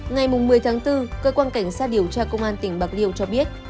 ngày một mươi tháng bốn cơ quan cảnh sát điều tra công an tỉnh bạc liêu cho biết